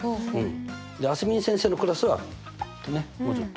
あすみん先生のクラスはってねもうちょっと。